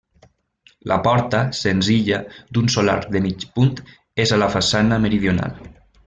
La porta, senzilla, d'un sol arc de mig punt, és a la façana meridional.